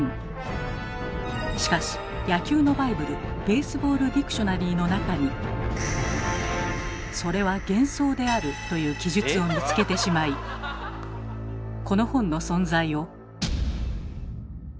しかし野球のバイブル「ベースボールディクショナリー」の中に「それは幻想である」という記述を見つけてしまいこの本の存在を。